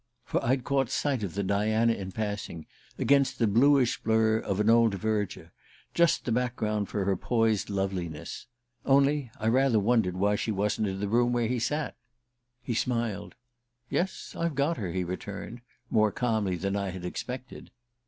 For I'd caught sight of the Diana in passing, against the bluish blur of an old verdure just the background for her poised loveliness. Only I rather wondered why she wasn't in the room where he sat. He smiled. "Yes, I've got her," he returned, more calmly than I had expected.